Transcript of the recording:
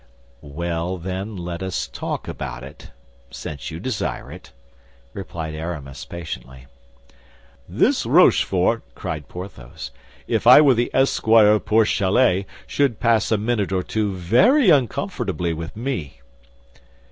'" "Well, then, let us talk about it, since you desire it," replied Aramis, patiently. "This Rochefort," cried Porthos, "if I were the esquire of poor Chalais, should pass a minute or two very uncomfortably with me."